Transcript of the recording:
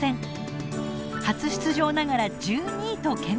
初出場ながら１２位と健闘しました。